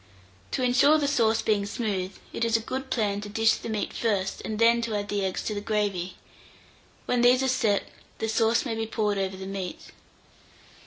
To insure the sauce being smooth, it is a good plan to dish the meat first, and then to add the eggs to the gravy: when these are set, the sauce may be poured over the meat.